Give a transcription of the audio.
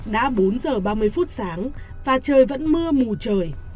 đã bốn giờ ba mươi phút sáng và trời vẫn mưa mù trời